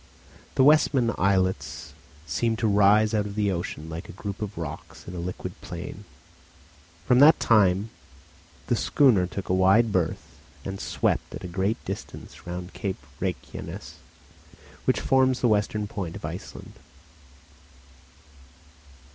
The Westman islets seemed to rise out of the ocean like a group of rocks in a liquid plain. From that time the schooner took a wide berth and swept at a great distance round Cape Rejkianess, which forms the western point of Iceland.